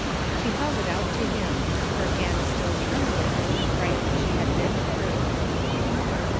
She held it out to him, her hand still trem bling with the fright she had been through.